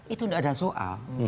itu tidak ada soal